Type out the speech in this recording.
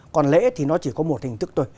còn lễ thì nó chỉ có một hình thức thôi